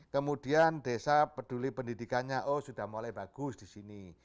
kemudian desa peduli pendidikannya oh sudah mulai bagus di sini